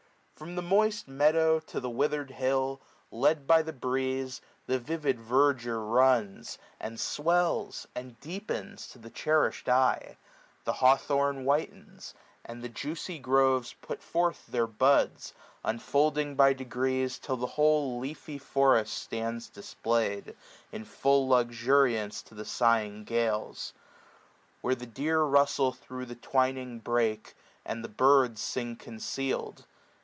85 FnoM the moist meadow to the withered hill. Led by the breeze, the vivid verdure runs ; And swells, and deepens, to the cherish'd eye. The hawthorn whitens ; and the juicy groves Put forth their buds, unfolding by degrees, 90 Till the whole leafy forest stands displayed. In full luxuriance to the sighing gales ; Where the deer rustle thro' the twining brake. And the birds sing conceal'd.